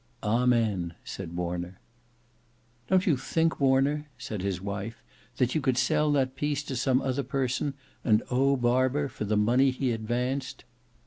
"Amen!" said Warner. "Don't you think Warner," said his wife, "that you could sell that piece to some other person, and owe Barber for the money he advanced?"